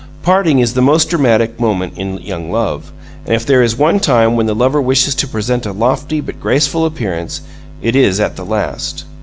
Parting is the most dramatic moment in young love, and if there is one time when the lover wishes to present a lofty but graceful appearance it is at the last.